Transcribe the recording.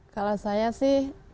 kalau saya sih